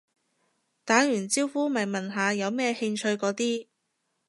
打完招呼咪問下有咩興趣嗰啲